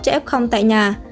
cho f tại nhà